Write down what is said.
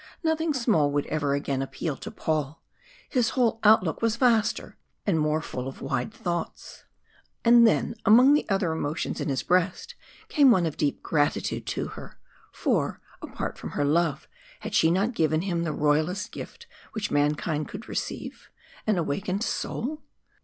Nothing small would ever again appeal to Paul. His whole outlook was vaster and more full of wide thoughts. And then among the other emotions in his breast came one of deep gratitude to her. For, apart from her love, had she not given him the royalest gift which mankind could receive an awakened soul?